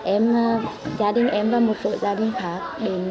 em gia đình em và một số gia đình khác đến